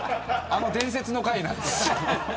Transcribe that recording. あの伝説の回なんです。